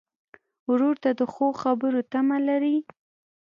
ورور ته د ښو خبرو تمه لرې.